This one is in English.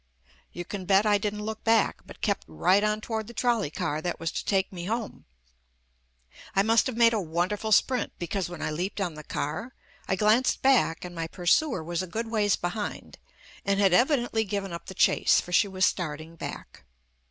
You can bet I didn't look back, but kept right on toward the trolley car that was to take me home. I must have made a wonderful sprint, because when I leaped on the car, I glanced back and my pursuer was a good ways behind and had evidently given up the chase, for she was starting back.